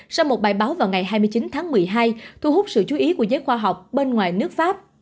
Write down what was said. sau một bài báo vào ngày hai mươi chín tháng một mươi hai thu hút sự chú ý của giới khoa học bên ngoài nước pháp